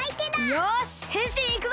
よしへんしんいくぞ！